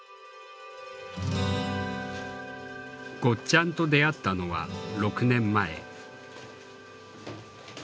ゴッちゃんと出会ったのは６年前。